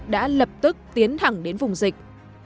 đã lập tức tiến thẳng đến vùng dịch